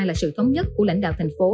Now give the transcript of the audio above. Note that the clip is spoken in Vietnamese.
là sự thống nhất của lãnh đạo thành phố